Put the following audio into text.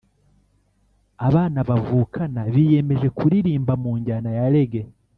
abana bavukana biyemeje kuririmba mu njyana ya Reggae